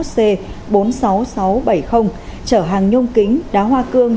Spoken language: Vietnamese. chở hàng nhôm kính đá hoa cương